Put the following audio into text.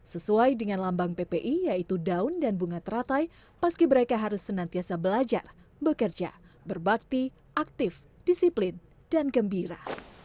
sesuai dengan lambang ppi yaitu daun dan bunga teratai paski beraka harus senantiasa belajar bekerja berbakti aktif disiplin dan gembira